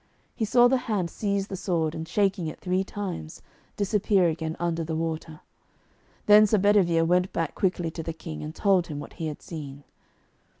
He saw the hand seize the sword, and shaking it three times, disappear again under the water. Then Sir Bedivere went back quickly to the King, and told him what he had seen.